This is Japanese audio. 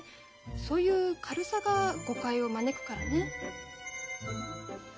そういう軽さが誤解を招くからね。